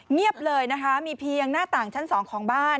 เงียบเลยนะคะมีเพียงหน้าต่างชั้นสองของบ้าน